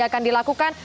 yang akan dilakukan